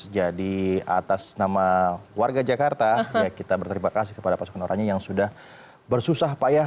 jadi atas nama warga jakarta kita berterima kasih kepada pasukan orangnya yang sudah bersusah payah